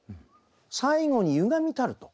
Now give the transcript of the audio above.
最後に「歪みたる」と。